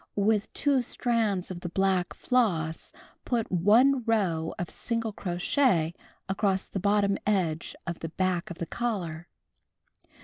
With two strands of the black floss put 1 row of single crochet across the bottom edge of the back of the collar.